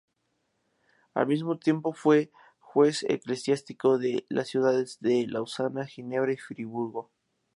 Al mismo tiempo fue Juez Eclesiástico de las ciudades de Lausana, Ginebra y Friburgo.